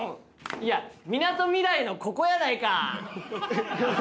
いやみなとみらいのここやないか！